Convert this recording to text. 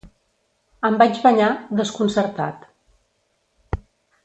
Em vaig banyar, desconcertat.